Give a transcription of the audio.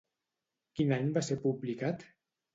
Quin any va ser publicat?